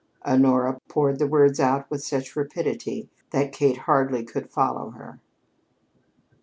Honora poured the words out with such rapidity that Kate hardly could follow her.